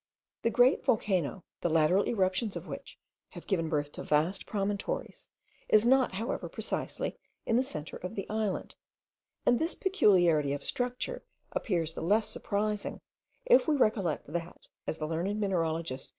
The great volcano, the lateral eruptions of which have given birth to vast promontories, is not however precisely in the centre of the island, and this peculiarity of structure appears the less surprising, if we recollect that, as the learned mineralogist M.